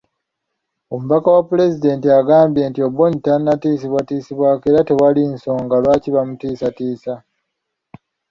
Omubaka wa Pulezidenti agambye nti Oboni tannatiisibwatiisibwako era tewali nsonga lwaki bamutiisatiisa.